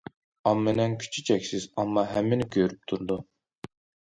ئاممىنىڭ كۈچى چەكسىز، ئامما ھەممىنى كۆرۈپ تۇرىدۇ.